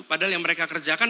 padahal yang mereka kerjakan